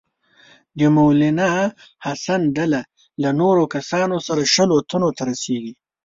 د مولنا حسن ډله له نورو کسانو سره شلو تنو ته رسیږي.